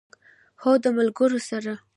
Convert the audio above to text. هو، د ملګرو سره